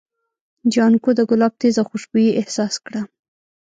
جانکو د ګلاب تېزه خوشبويي احساس کړه.